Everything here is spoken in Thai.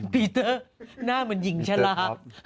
พีเตอร์หน้ามันหญิงชะลา